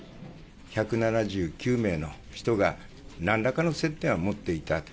１７９名の人が、なんらかの接点は持っていた。